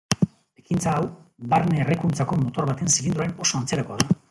Ekintza hau, barne-errekuntzako motor baten zilindroaren oso antzerakoa da.